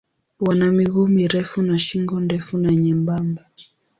Wana miguu mirefu na shingo ndefu na nyembamba.